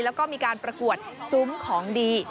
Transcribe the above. แล้วก็มีการประกวดซุ้มของดี